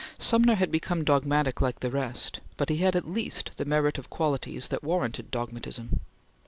Sumner had become dogmatic like the rest, but he had at least the merit of qualities that warranted dogmatism.